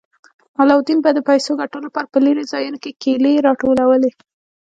علاوالدین به د پیسو ګټلو لپاره په لیرې ځایونو کې کیلې راټولولې.